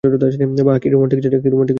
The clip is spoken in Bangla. বাহ, কি রোমান্টিক জায়গা।